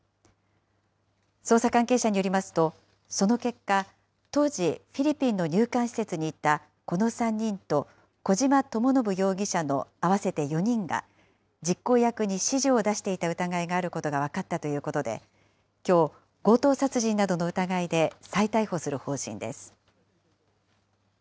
捜査関係者によりますと、その結果、当時、フィリピンの入管施設にいたこの３人と、小島智信容疑者の合わせて４人が、実行役に指示を出していた疑いがあることが分かったということで、きょう、強盗殺人などの疑いで再逮捕する方針です。